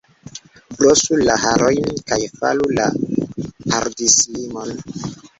Brosu la harojn kaj faru la hardislimon!